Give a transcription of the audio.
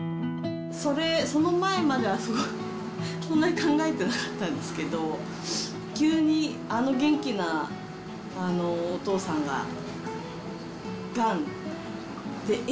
それ、その前までは考えてなかったんですけど、急に、あの元気なお父さんががんで、え？